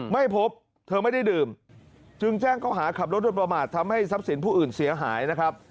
ไม่พบเธอไม่ได้ดื่มจึงแจ้งเขาหาขับรถโดยประมาททำให้ทรัพย์สินผู้อื่นเสียหายนะครับ